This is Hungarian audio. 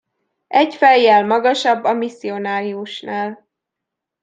Egy fejjel magasabb a misszionáriusnál.